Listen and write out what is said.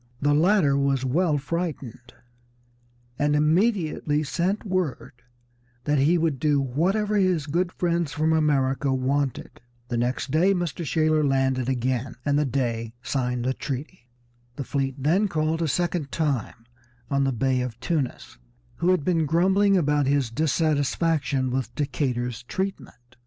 The latter was well frightened, and immediately sent word that he would do whatever his good friends from America wanted. The next day Mr. Shaler landed again, and the Dey signed the treaty. The fleet then called a second time on the Bey of Tunis, who had been grumbling about his dissatisfaction with Decatur's treatment.